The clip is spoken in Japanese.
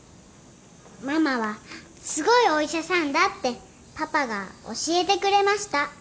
「ママはすごいお医者さんだってパパが教えてくれました」